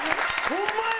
ホンマや！